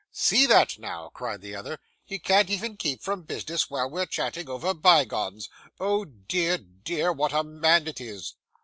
'See that now!' cried the other. 'He can't even keep from business while we're chatting over bygones. Oh dear, dear, what a man it is!